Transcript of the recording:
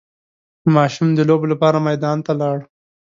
ماشوم د لوبو لپاره میدان ته لاړ.